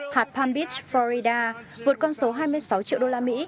hạt palm beach florida vượt con số hai mươi sáu triệu đô la mỹ